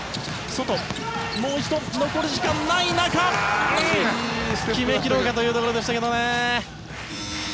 外、もう一度残り時間がない中決め切ろうかというところでしたけどね。